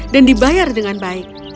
dan dibayar dengan baik